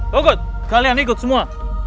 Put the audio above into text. tunggu kalian ikut semua